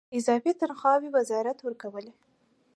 اضافي تنخواوې وزارت ورکولې.